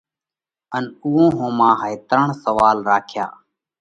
ان اُوئون ۿوما هائي ترڻ سوئال راکيا۔